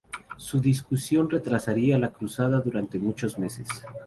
Su discusión retrasaría la cruzada durante muchos meses.